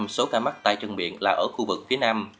bảy mươi bảy sáu số ca mắc tay chân miệng là ở khu vực phía nam